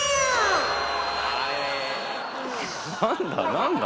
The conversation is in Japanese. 何だ？